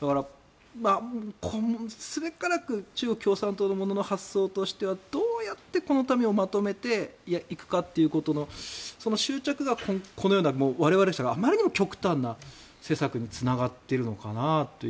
だから、すべからく中国共産党の発想としてはどうやってこの民をまとめていくかということのその執着がこのような我々からしたらあまりにも極端な施策につながっているのかなと。